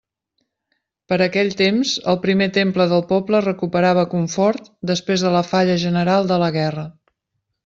Per aquell temps el primer temple del poble recuperava confort després de la falla general de la guerra.